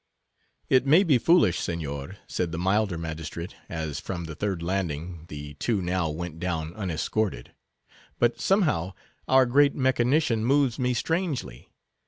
"It may be foolish, Signor," said the milder magistrate, as, from the third landing, the two now went down unescorted, "but, somehow, our great mechanician moves me strangely.